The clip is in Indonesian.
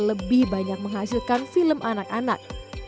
lebih banyak menghasilkan film anak anak